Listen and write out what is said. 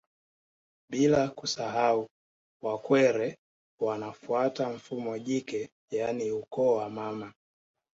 Bila kusahau Wakwere wanafuata mfumo jike yaani ukoo wa mama